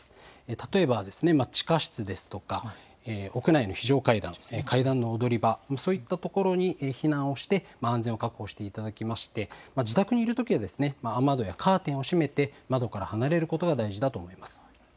例えば地下室ですとか、屋内の非常階段ですね、階段の踊り場、そういった所に避難をして、安全を確保していただきまして、自宅にいるときは、雨戸やカーテンを閉めて窓から離れることが大事だと思います。